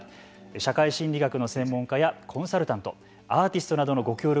社会心理学の専門家やコンサルタントアーティストなどのご協力のもと